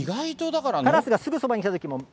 カラスがすぐそばに来たときも。